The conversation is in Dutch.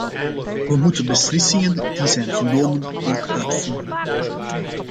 We moeten beslissingen die zijn genomen ook uitvoeren.